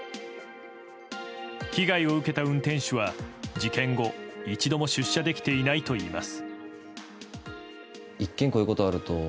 被害を受けた運転手は事件後一度も出社できていないといいます。